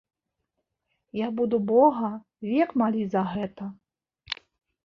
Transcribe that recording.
Я буду бога век маліць за гэта!